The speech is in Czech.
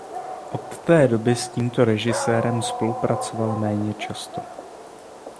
Od té doby s tímto režisérem spolupracoval méně často.